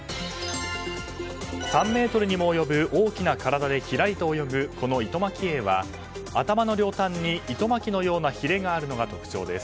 ３ｍにも及ぶ大きな体でひらりと泳ぐこのイトマキエイは頭の両端に糸巻きのようなひれがあるのが特徴です。